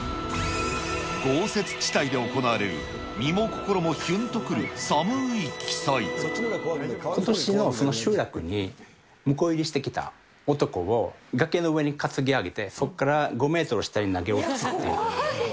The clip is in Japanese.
豪雪地帯で行われる身も心もことしの集落に婿入りしてきた男を、崖の上に担ぎ上げて、そこから５メートル下へ投げ落とすっていう。